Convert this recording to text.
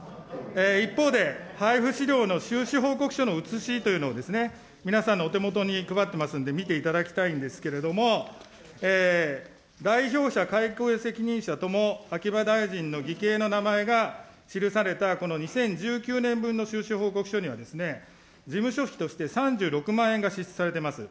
一方で、配布資料の収支報告書の写しというのをですね、皆さんのお手元に配ってますんで見ていただきたいんですけれども、代表者、責任者とも秋葉大臣の義兄の名前が記された、この２０１９年分の収支報告書にはですね、事務所費として３６万円が支出されてます。